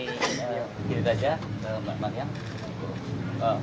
jadi saja pak makya